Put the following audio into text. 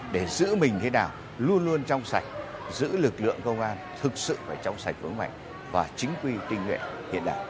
để giữ mình thế nào luôn luôn trong sạch giữ lực lượng công an thực sự phải trong sạch vững mạnh và chính quy tinh nguyện hiện đại